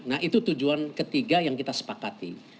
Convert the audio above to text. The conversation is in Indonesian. nah itu tujuan ketiga yang kita sepakati